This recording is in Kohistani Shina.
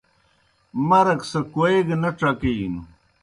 مرگ سہ کوئے گہ نہ ڇکِینوْ